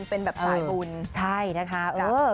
เป็นแบบสายบุญ